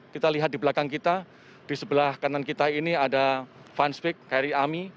kita lihat di belakang kita di sebelah kanan kita ini ada fanspik kri ami